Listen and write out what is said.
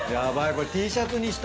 これ。